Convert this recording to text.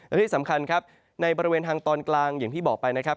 และที่สำคัญครับในบริเวณทางตอนกลางอย่างที่บอกไปนะครับ